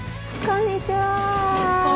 こんにちは。